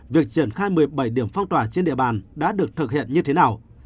việc triển khai một mươi bảy điểm phong tỏa trên địa bàn đã được thực hiện như thế nào